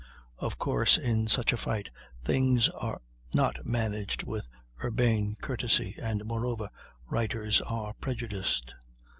Of course in such a fight things are not managed with urbane courtesy, and, moreover, writers are prejudiced.